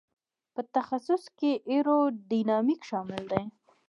په تخصص کې ایرو ډینامیک شامل دی.